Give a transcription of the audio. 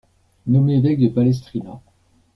Nommé évêque de Palestrina.